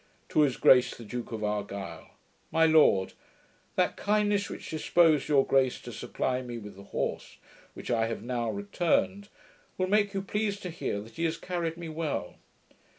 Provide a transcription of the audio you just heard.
To his Grace the Duke of ARGYLE. My Lord, That kindness which disposed your grace to supply me with the horse, which I have now returned, will make you pleased to hear that he has carried me well.